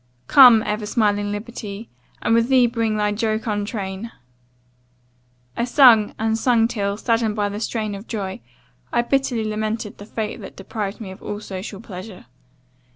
'Come, ever smiling Liberty, 'And with thee bring thy jocund train:' I sung and sung till, saddened by the strain of joy, I bitterly lamented the fate that deprived me of all social pleasure.